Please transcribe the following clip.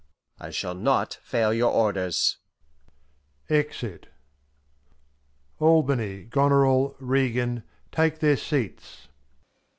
Capt. I shall not fail your Orders. {Exit. Albany, Goneril, Regan, tahe their Seats.